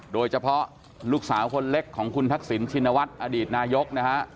โดยเฉพาะลูกสาวคนเล็กของคุณทักษิณชินวัฒน์อดีตนายกนะฮะ